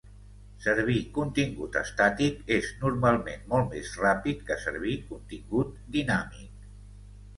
Servir contingut estàtic és normalment molt més ràpid que servir contingut dinàmic.